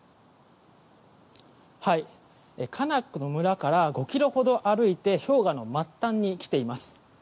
カナックの村から５ｋｍほど歩いて氷河の末端に来ています。